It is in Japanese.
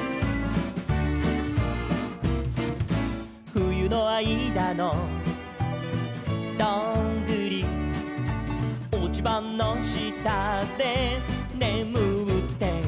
「ふゆのあいだのどんぐり」「おちばのしたでねむってる」